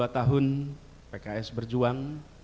dua puluh dua tahun pks berjuang